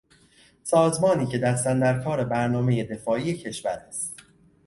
سازمانی که دست اندر کار برنامهی دفاعی کشور است